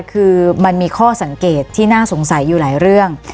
คือมันมีข้อสังเกตที่น่าสงสัยอยู่หลายเรื่อง